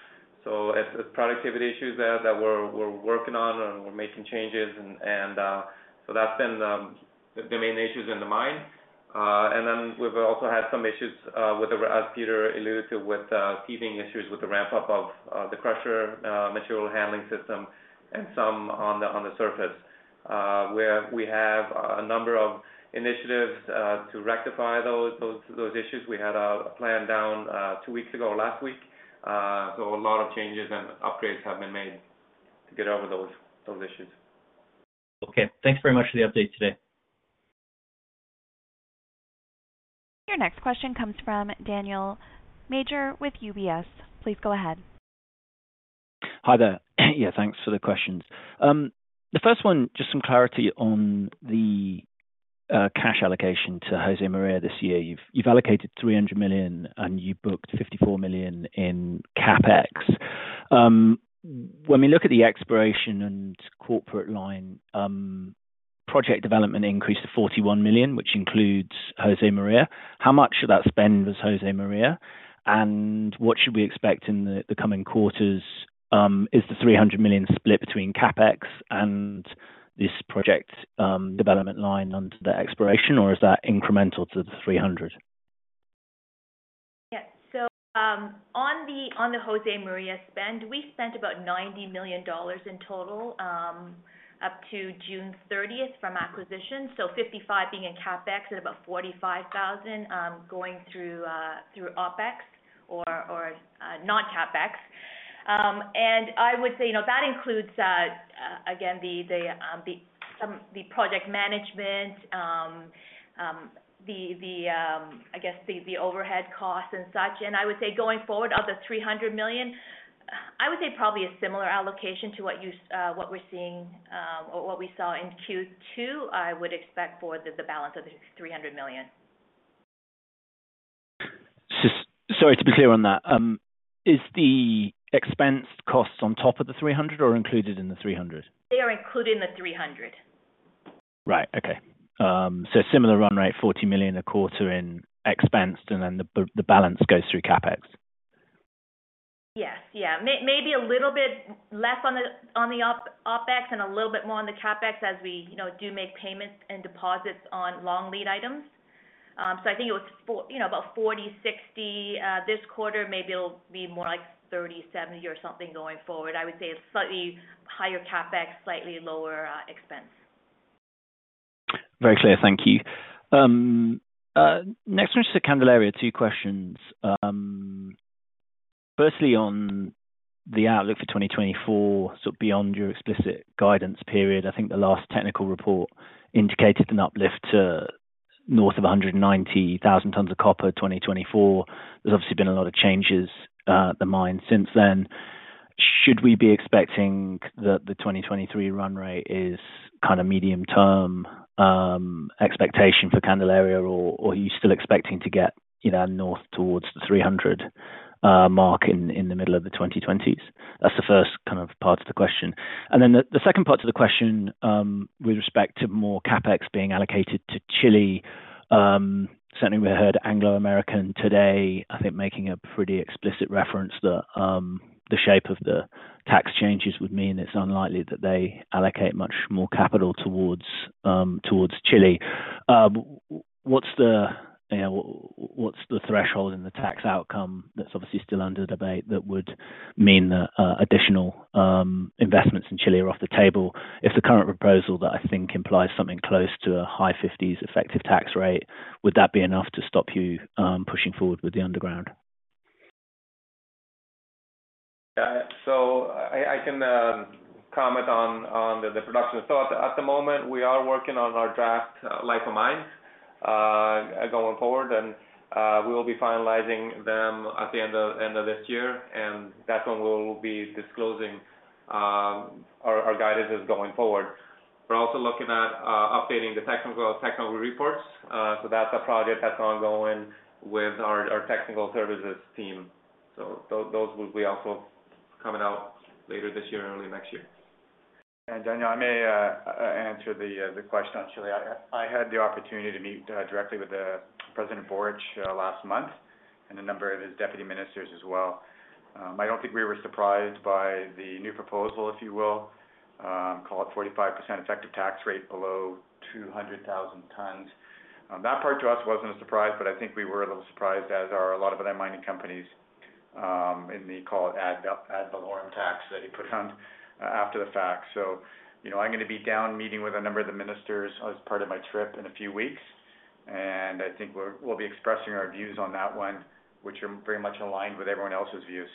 It's productivity issues there that we're working on and we're making changes. That's been the main issues in the mine. We've also had some issues, as Peter alluded to, with teething issues with the ramp-up of the crusher material handling system and some on the surface, where we have a number of initiatives to rectify those issues. We had a plant down two weeks ago or last week. A lot of changes and upgrades have been made to get over those issues. Okay. Thanks very much for the update today. Your next question comes from Daniel Major with UBS. Please go ahead. Hi there. Yeah, thanks for the questions. The first one, just some clarity on the cash allocation to Josemaria this year. You've allocated $300 million, and you booked $54 million in CapEx. When we look at the exploration and corporate line, project development increased to $41 million, which includes Josemaria. How much of that spend was Josemaria? And what should we expect in the coming quarters? Is the $300 million split between CapEx and this project development line under the exploration, or is that incremental to the $300 million? Yeah. On the Josemaria spend, we spent about $90 million in total up to June 30th from acquisition. $55 million being in CapEx and about $45 million going through OpEx or non-CapEx. I would say, you know, that includes again some project management, the overhead costs and such. I would say going forward, of the $300 million, I would say probably a similar allocation to what we're seeing or what we saw in Q2, I would expect for the balance of the $300 million. Just sorry, to be clear on that. Is the expense costs on top of the $300 million or included in the $300 million? They are included in the $300 million. Right. Okay. Similar run rate, $40 million a quarter in expense, and then the balance goes through CapEx. Yes. Yeah. Maybe a little bit less on the OpEx and a little bit more on the CapEx as we, you know, do make payments and deposits on long lead items. I think it was, you know, about $40 million-$60 million this quarter. Maybe it'll be more like $30 million-$70 million or something going forward. I would say a slightly higher CapEx, slightly lower expense. Very clear. Thank you. Next one is Candelaria. Two questions. Firstly, on the outlook for 2024, sort of beyond your explicit guidance period. I think the last technical report indicated an uplift to north of 190,000 tons of copper, 2024. There's obviously been a lot of changes at the mine since then. Should we be expecting the 2023 run rate is kind of medium-term expectation for Candelaria, or are you still expecting to get, you know, north towards the 300 mark in the middle of the 2020s? That's the first kind of part of the question. The second part to the question, with respect to more CapEx being allocated to Chile, certainly we heard Anglo American today, I think, making a pretty explicit reference that the shape of the tax changes would mean it's unlikely that they allocate much more capital towards Chile. What's the threshold, you know, in the tax outcome that's obviously still under debate that would mean that additional investments in Chile are off the table? If the current proposal that I think implies something close to a high 50s% effective tax rate, would that be enough to stop you pushing forward with the underground? I can comment on the production. At the moment we are working on our draft life of mine going forward, and we will be finalizing them at the end of this year, and that's when we'll be disclosing our guidances going forward. We're also looking at updating the technical reports. That's a project that's ongoing with our technical services team. Those will also be coming out later this year, early next year. Daniel, I may answer the question on Chile. I had the opportunity to meet directly with President Boric last month and a number of his deputy ministers as well. I don't think we were surprised by the new proposal, if you will. Call it 45% effective tax rate below 200,000 tons. That part to us wasn't a surprise, but I think we were a little surprised, as are a lot of other mining companies, in the call it ad valorem tax that he put on after the fact. You know, I'm gonna be down meeting with a number of the ministers as part of my trip in a few weeks, and I think we'll be expressing our views on that one, which are very much aligned with everyone else's views.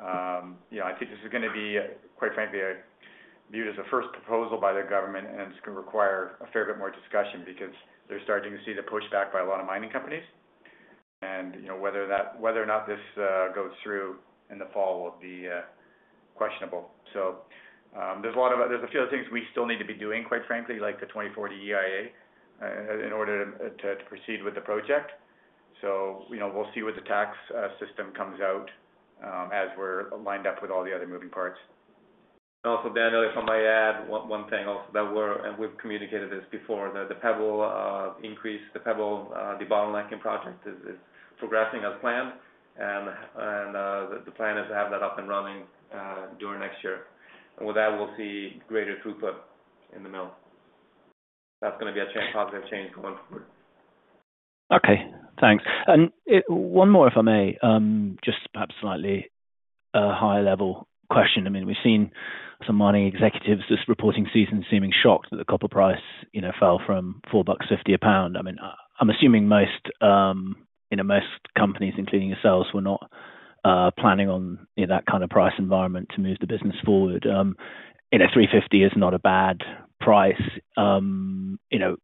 You know, I think this is gonna be, quite frankly, viewed as a first proposal by the government, and it's gonna require a fair bit more discussion because they're starting to see the pushback by a lot of mining companies. You know, whether or not this goes through in the fall will be questionable. There's a few other things we still need to be doing, quite frankly, like the 2040 EIA in order to proceed with the project. You know, we'll see what the tax system comes out as we're lined up with all the other moving parts. Also, Dan, if I may add one thing also that we're, and we've communicated this before, the Pebble increase, the Pebble debottlenecking project is progressing as planned. The plan is to have that up and running during next year. With that, we'll see greater throughput in the mill. That's gonna be a cash-positive change going forward. Okay, thanks. One more, if I may, just perhaps slightly a higher level question. I mean, we've seen some mining executives this reporting season seeming shocked that the copper price, you know, fell from $4.50 a pound. I mean, I'm assuming most, you know, most companies, including yourselves, were not planning on, you know, that kind of price environment to move the business forward. You know, $3.50 is not a bad price. You know,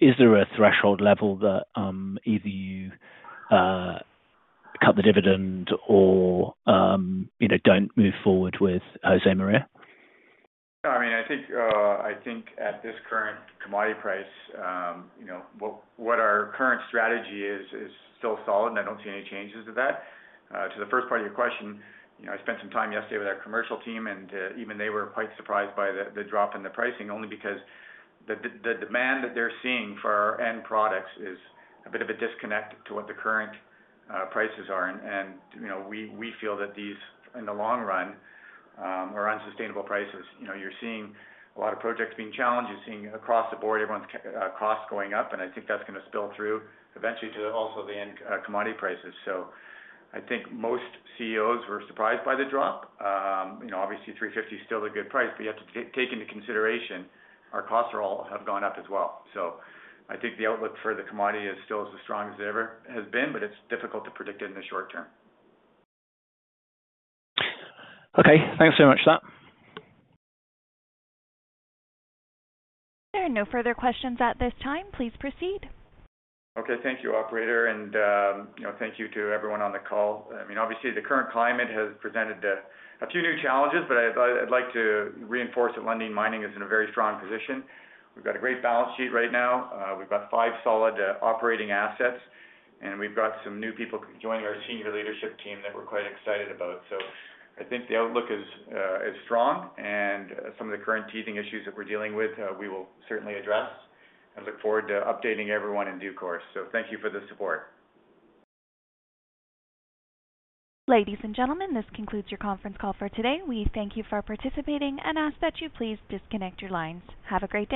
is there a threshold level that either you cut the dividend or, you know, don't move forward with Josemaria? No, I mean, I think at this current commodity price, you know, what our current strategy is still solid, and I don't see any changes to that. To the first part of your question, you know, I spent some time yesterday with our commercial team, and even they were quite surprised by the drop in the pricing, only because the demand that they're seeing for our end products is a bit of a disconnect to what the current prices are. You know, we feel that these, in the long run, are unsustainable prices. You know, you're seeing a lot of projects being challenged. You're seeing across the board everyone's costs going up, and I think that's gonna spill through eventually to also the end commodity prices. I think most CEOs were surprised by the drop. You know, obviously, $3.50 is still a good price, but you have to take into consideration our costs have all gone up as well. I think the outlook for the commodity is still as strong as it ever has been, but it's difficult to predict it in the short term. Okay, thanks so much for that. There are no further questions at this time. Please proceed. Okay, thank you, operator, and you know, thank you to everyone on the call. I mean, obviously, the current climate has presented a few new challenges, but I'd like to reinforce that Lundin Mining is in a very strong position. We've got a great balance sheet right now. We've got five solid operating assets, and we've got some new people joining our senior leadership team that we're quite excited about. I think the outlook is strong, and some of the current teething issues that we're dealing with we will certainly address and look forward to updating everyone in due course. Thank you for the support. Ladies and gentlemen, this concludes your conference call for today. We thank you for participating and ask that you please disconnect your lines. Have a great day.